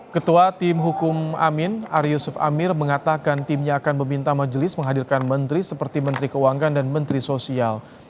ketua tim hukum amin ari yusuf amir mengatakan timnya akan meminta majelis menghadirkan menteri seperti menteri keuangan dan menteri sosial